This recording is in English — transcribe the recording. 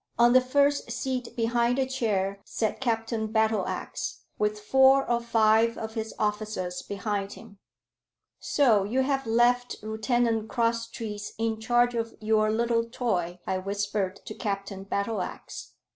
On the first seat behind the chair sat Captain Battleax, with four or five of his officers behind him. "So you have left Lieutenant Crosstrees in charge of your little toy," I whispered to Captain Battleax.